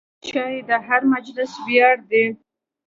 چای د هر مجلس ویاړ دی.